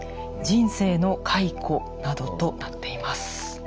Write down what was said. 人生の回顧などとなっています。